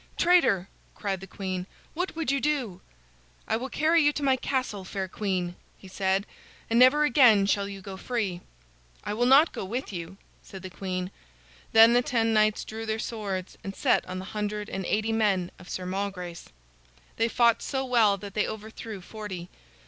"Traitor!" cried the queen. "What would you do?" "I will carry you to my castle, fair queen," he said. "And never again shall you go free." "I will not go with you," said the queen. Then the ten knights drew their swords and set on the hundred and eighty men of Sir Malgrace. They fought so well that they overthrew forty.